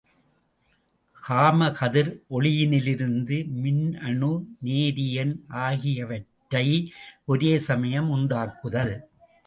Gamma கதிர் ஒளியினிலிருந்து மின்னணு, நேரியன் ஆகியவற்றை ஒரே சமயம் உண்டாக்குதல்.